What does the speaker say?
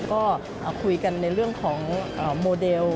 ก็คุยกันในเรื่องของโมเดล